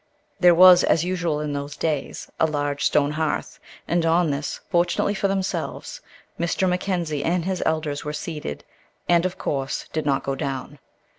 There was, as usual in those days, a large stone hearth, and on this, fortunately for themselves, Mr. Mackenzie and his elders were seated, and, of course, did not go down.